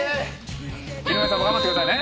皆さんも頑張ってくださいね。